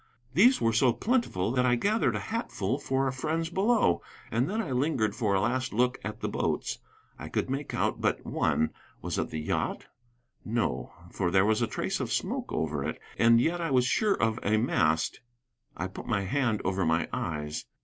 These were so plentiful that I gathered a hatful for our friends below, and then I lingered for a last look at the boats. I could make out but one. Was it the yacht? No; for there was a trace of smoke over it. And yet I was sure of a mast. I put my hand over my eyes.